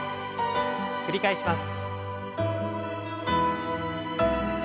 繰り返します。